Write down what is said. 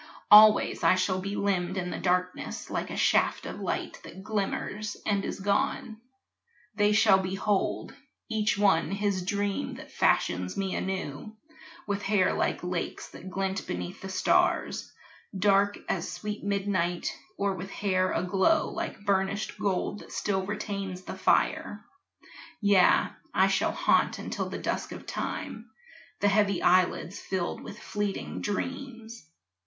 Always I shall be Limned on the darkness like a shaft of light That glimmers and is gone. They shall behold Each one his dream that fashions me anew; With hair like lakes that glint beneath the stars Dark as sweet midnight, or with hair aglow Like burnished gold that still retains the fire. Yea, I shall haunt until the dusk of time The heavy eyelids filled with fleeting dreams.